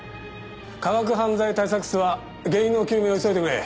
科学犯罪対策室は原因の究明を急いでくれ。